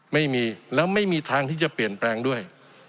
ไม่มีแล้วไม่มีทางที่จะเปลี่ยนแปลงด้วย